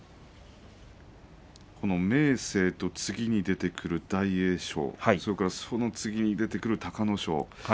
明生と次に出てくる大栄翔、その次に出てくる隆の勝。